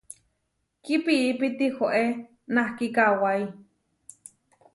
Kipiipi tihoé nahki kawái.